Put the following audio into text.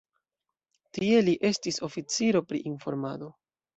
Tie li estis oficiro pri informado.